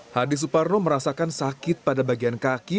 hadi suparno merasakan sakit pada bagian kaki